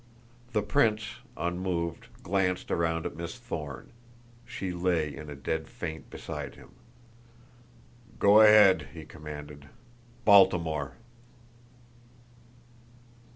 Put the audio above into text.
The prince, unmoved, glanced around at Miss Thorne; she lay in a dead faint beside him. "Go ahead," he commanded. "Baltimore."